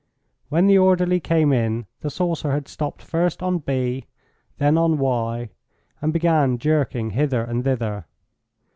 When the orderly came in the saucer had stopped first on b, then on y, and began jerking hither and thither.